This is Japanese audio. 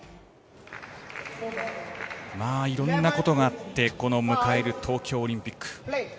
いろんなことがあってこの迎える東京オリンピック。